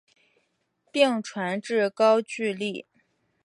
并传至高句丽。